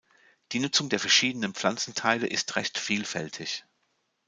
Die Nutzung der verschiedenen Pflanzenteile ist recht vielfältig.